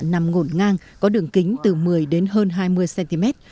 nằm ngổn ngang có đường kính từ một mươi đến hơn hai mươi cm